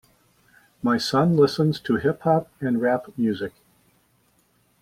My son listens to hip-hop and rap music.